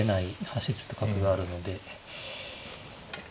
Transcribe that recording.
走ると角があるので。